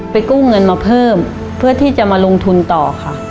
กู้เงินมาเพิ่มเพื่อที่จะมาลงทุนต่อค่ะ